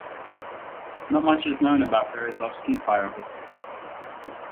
Not much is known about Berezovsky's biography.